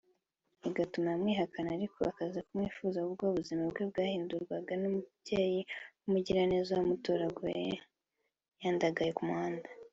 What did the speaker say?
bigatuma amwihakana ariko akaza kumwifuza ubwo ubuzima bwe bwahindurwaga n’umubyeyi w’umugiraneza wamutoraguye yandagaye ku muhanda